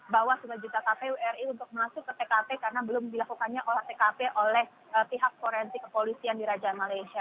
bawaslu dan juga kpu ri untuk masuk ke tkp karena belum dilakukannya oleh tkp oleh pihak korenti kepolisian dirajah malaysia